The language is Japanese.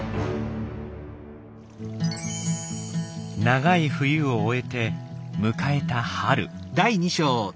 長い冬を終えて迎えた春。